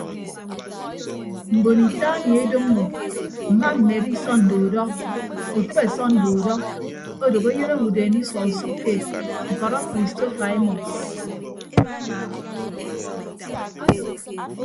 Mbon ita ami edoñño mma mmedi sọnde udọ utịbe sọnde udọ odooho eyịn owodeen isua usʌkkeed ñkọrọ kristofa emọs.